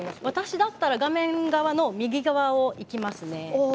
私だったら画面側の右側をいきますね。